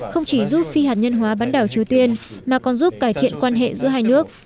không chỉ giúp phi hạt nhân hóa bán đảo triều tiên mà còn giúp cải thiện quan hệ giữa hai nước